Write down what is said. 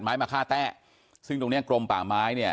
ไม้มะค่าแต้ซึ่งตรงเนี้ยกรมป่าไม้เนี่ย